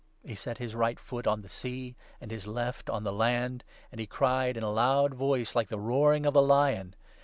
He set his right foot on the sea, and his left on the land ; and he cried in a loud voice like the roaring of a lion.